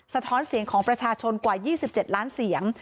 ท้อนเสียงของประชาชนกว่า๒๗ล้านเสียง